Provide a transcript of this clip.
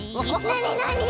なになに？